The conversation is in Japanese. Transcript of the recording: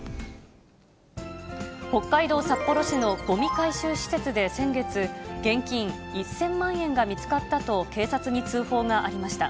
北海道札幌市のごみ回収施設で先月、現金１０００万円が見つかったと警察に通報がありました。